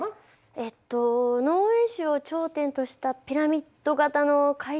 えっと農園主を頂点としたピラミッド形の階層社会？